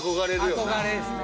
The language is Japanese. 憧れですね。